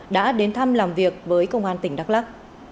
đã đến thăm làm việc với công an tỉnh đắk lắc